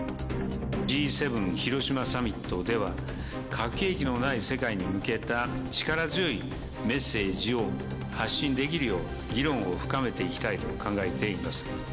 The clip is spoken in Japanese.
Ｇ７広島サミットでは、核兵器のない世界に向けた力強いメッセージを発信できるよう、議論を深めていきたいと考えています。